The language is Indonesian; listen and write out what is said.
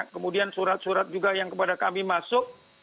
kemudian surat surat juga yang kepada kami masuk